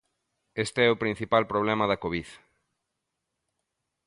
Este é o principal problema da Covid.